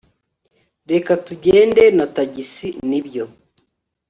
reka tugende na tagisi, nibyo